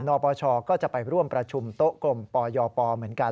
ปปชก็จะไปร่วมประชุมโต๊ะกลมปยปเหมือนกัน